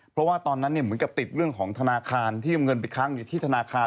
เพราะว่าตอนนั้นเหมือนกับติดเรื่องของธนาคารที่เอาเงินไปค้างอยู่ที่ธนาคาร